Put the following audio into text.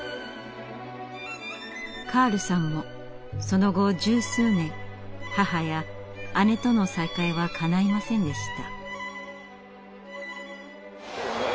カールさんもその後十数年母や姉との再会はかないませんでした。